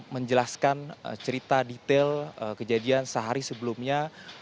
menjelaskan cerita detail kejadian sehari sebelumnya